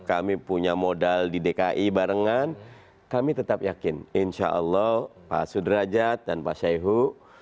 kami punya modal di dki barengan kami tetap yakin insya allah pak sudrajat dan pak syaihu